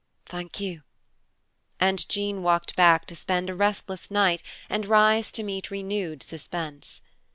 "Thank you." And Jean walked back to spend a restless night and rise to meet renewed suspense.